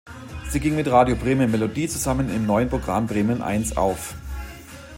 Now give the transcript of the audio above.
Sie ging mit Radio Bremen Melodie zusammen im neuen Programm Bremen Eins auf.